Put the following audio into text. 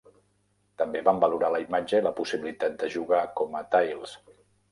També van valorar la imatge i la possibilitat de jugar com a Tails.